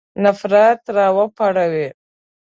نفرت را وپاروي.